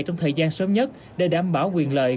trong thời gian sớm nhất để đảm bảo quyền lợi